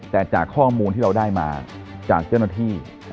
แต่จากข้อมูลที่เราได้มาจากเจ้าหน้าที่